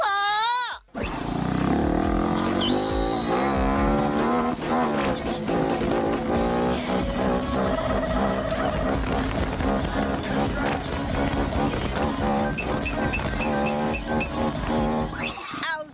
โอ้โฮโอ้โฮโอ้โฮ